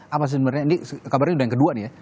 apa sebenarnya ini kabarnya udah yang kedua nih ya